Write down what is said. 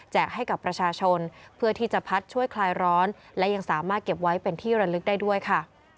ให้กับประชาชนเพื่อที่จะพัดช่วยคลายร้อนและยังสามารถเก็บไว้เป็นที่ระลึกได้ด้วยค่ะ